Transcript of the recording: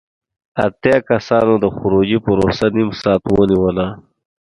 اتیا کسانو د خروجی پروسه نیم ساعت ونیوله.